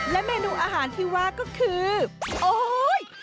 เมนูอาหารที่ว่าก็คือโอ๊ย